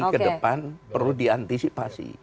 ke depan perlu diantisipasi